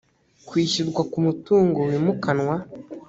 kwishyurwa ku mutungo wimukanwa